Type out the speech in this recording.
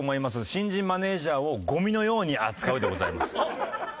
「新人マネージャーをゴミのように扱う」でございます。